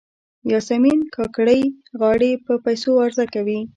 یاسمین کاکړۍ غاړې په پیسو عرضه کوي.